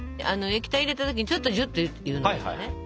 液体入れた時ちょっとジュッと言うのがいいよね。